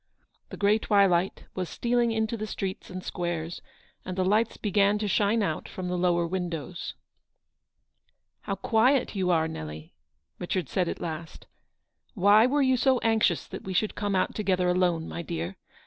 The grey twilight was stealing into the streets and squares, and the lights began to shine out from the lower windows. " How quiet you are, Nelly," Richard said at last ;" why were you so anxious that we should come out together alone, my dear